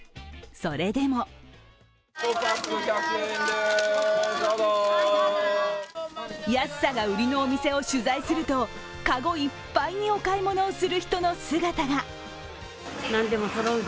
それでも安さが売りのお店を取材するとかごいっぱいにお買い物をする人の姿が。